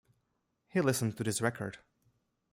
He listened to this record.